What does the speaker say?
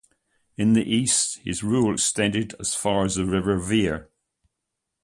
In the east his rule extended as far as the river Vire.